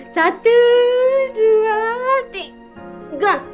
satu dua tiga